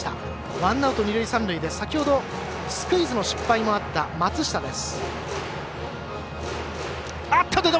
ワンアウト、二塁三塁で先ほどスクイズの失敗もあった松下です。